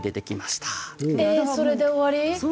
それで終わり？